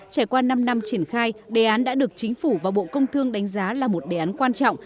trải qua năm năm triển khai đề án đã được chính phủ và bộ công thương đánh giá là một đề án quan trọng